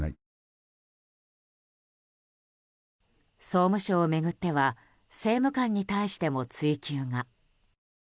総務省を巡っては政務官に対しても追及が。